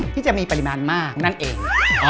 ที่จะมีปริมาณมากนั่นเอง